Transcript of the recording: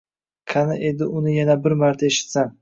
Qani edi uni yana bir marta eshitsam